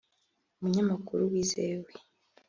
umunyamakuru wizewe